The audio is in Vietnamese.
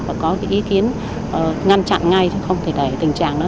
và có ý kiến ngăn chặn ngay chứ không thể đẩy tình trạng đó